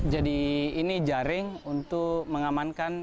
jadi ini jaring untuk mengamankan